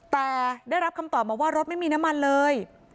แต่ได้รับคำตอบมาว่ารถไม่มีน้ำมันเลย